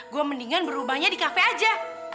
gue mendingan berubahnya di kafe aja